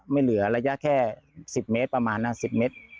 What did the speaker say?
เหลือระยะแค่๑๐เมตรประมาณ๑๐เมตร